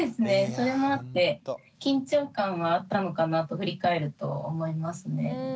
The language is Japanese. それもあって緊張感はあったのかなと振り返ると思いますね。